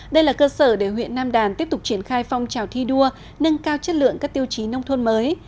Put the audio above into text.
đây là cơ sở để huyện nam đàn tiếp tục triển khai phong trào thi đua nâng cao chất lượng các tiêu chí nông thôn mới